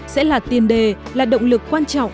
sẽ là tiền đề là động lực quan trọng